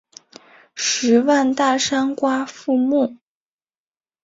十万大山瓜馥木